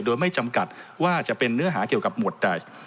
โดยไม่จำกัดว่าจะเป็นเนื้อหาเกี่ยวกับหมวดใด